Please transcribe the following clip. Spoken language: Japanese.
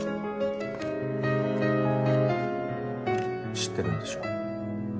知ってるんでしょ？